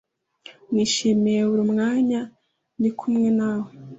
nishimiye buri mwanya ndi kumwe nawe